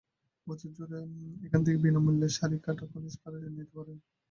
বছরজুড়ে এখান থেকে বিনা মূল্যে শাড়ি কাটা পলিশ করিয়ে নিতে পারবেন।